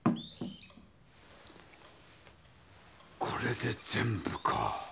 これで全部か。